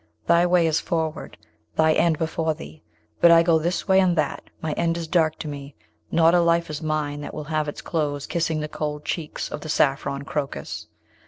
Thy way is forward, thy end before thee; but I go this way and that; my end is dark to me; not a life is mine that will have its close kissing the cold cheeks of the saffron crocus.